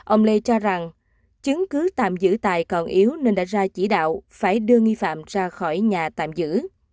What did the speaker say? ông lê cho rằng chứng cứ tạm giữ tài còn yếu nên đã ra chỉ đạo phải đưa nghi phạm ra khỏi nhà tạm giữ